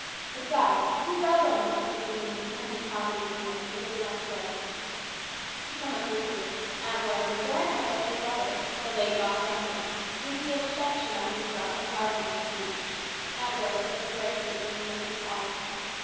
Besides, who does own most of the saloon and tenement property of New York and get the rentals from it ? To sum up briefly, Aunt Royal was very much like her 134 HIS BROTHER'S KEEPER. brother, the late Ross Duncan, with the exception of his gruff and hard manner of speech. Aunt Royal spoke very sweetly and gently always.